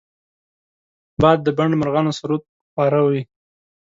باد د بڼ مرغانو سرود خواره وي